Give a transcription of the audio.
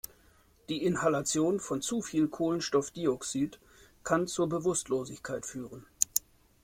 Die Inhalation von zu viel Kohlenstoffdioxid kann zur Bewusstlosigkeit führen.